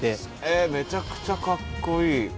えめちゃくちゃかっこいい。